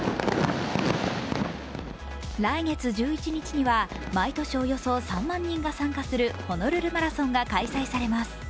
来月１１日には、毎年およそ３万人が参加するホノルルマラソンが開催されます。